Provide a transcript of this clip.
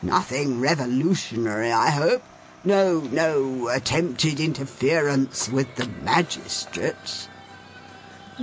Nothing revolutionary, I hope! No—no attempted interference with the magistrates?